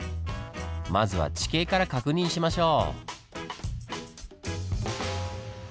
まずは地形から確認しましょう。